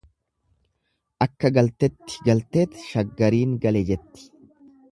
Akka galtetti galteet shaggariin gale jetti.